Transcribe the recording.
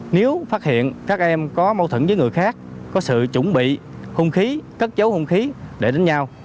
nếu phát hiện các em có mâu thuẫn với người khác có sự chuẩn bị khung khí cất chấu khung khí để đánh nhau